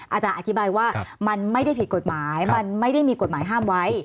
อาจารย์อธิบายว่ามันไม่ได้ผิดกฎหมายมันไม่ได้มีกฎหมายห้ามไว้